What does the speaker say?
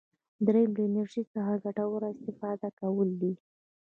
دریم له انرژي څخه ګټوره استفاده کول دي.